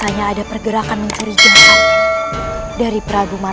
jangan lupa like share dan subscribe ya